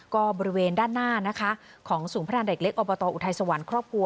ก็บริเวณด้านหน้านะคะของสูงพระนาทิตย์เล็กออุทัยสวรรค์ครอบครัว